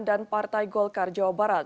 dan partai golkar jawa barat